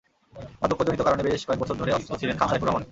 বার্ধক্যজনিত কারণে বেশ কয়েক বছর ধরে অসুস্থ ছিলেন খান সাইফুর রহমান।